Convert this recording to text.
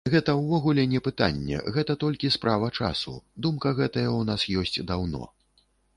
Гэта ўвогуле не пытанне, гэта толькі справа часу, думка гэтая ў нас ёсць даўно.